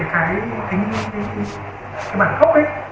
khác biệt rồi nhé